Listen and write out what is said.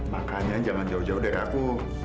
makanya jangan jauh jauh dari aku